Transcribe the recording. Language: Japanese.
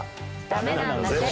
ダメなんだぜ。